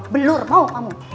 belur mau kamu